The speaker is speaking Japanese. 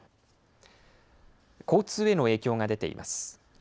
交通への影響が出ています。